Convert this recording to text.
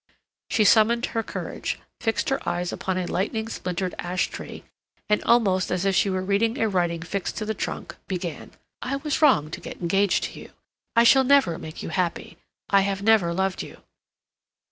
She summoned her courage, fixed her eyes upon a lightning splintered ash tree, and, almost as if she were reading a writing fixed to the trunk, began: "I was wrong to get engaged to you. I shall never make you happy. I have never loved you."